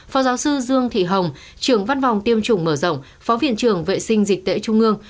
phó giáo sư dương thị hồng trưởng văn phòng tiêm chủng mở rộng phó viện trưởng vệ sinh dịch tễ trung ương